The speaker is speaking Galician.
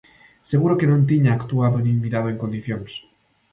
Seguro que non tiña actuado nin mirado en condicións.